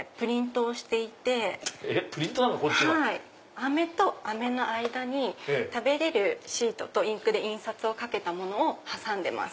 飴と飴の間に食べれるシートとインクで印刷をかけたものを挟んでます。